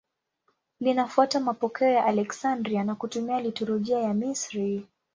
Linafuata mapokeo ya Aleksandria na kutumia liturujia ya Misri.